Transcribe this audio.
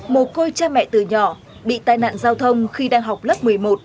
một cô cha mẹ từ nhỏ bị tai nạn giao thông khi đang học lớp một mươi một